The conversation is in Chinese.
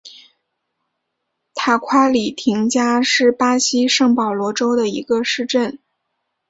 塔夸里廷加是巴西圣保罗州的一个市镇。